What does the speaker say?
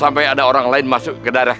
apa yang diajarkan oleh